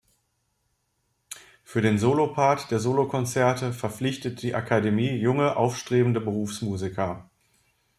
Für den Solopart der Solokonzerte verpflichtet die Academie junge, aufstrebende Berufsmusiker.